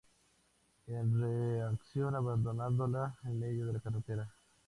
Él reacciona abandonándola en medio de la carretera.